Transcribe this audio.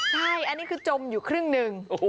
ใช่อันนี้คือจมอยู่ครึ่งหนึ่ง